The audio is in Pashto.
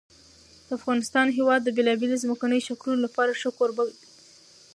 د افغانستان هېواد د بېلابېلو ځمکنیو شکلونو لپاره ښه کوربه دی.